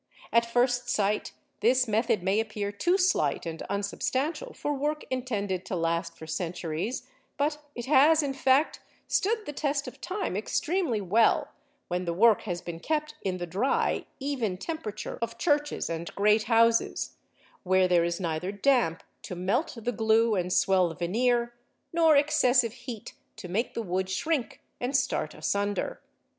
At first sight this method may appear too slight and unsubstantial for work intended to last for centuries, but it has, in fact, stood the test of time extremely well, when the work has been kept in the dry even temperature of churches and great houses, where there is neither damp to melt the glue and swell the veneer, nor excessive heat to make the wood shrink and start asunder.